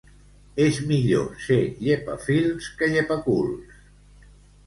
És millor ser llepafils que llepaculs.